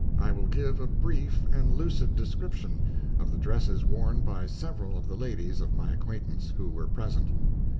] I will give a brief and lucid description of the dresses worn by several of the ladies of my acquaintance who were present.